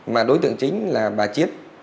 mà đối tượng chính là bà chiết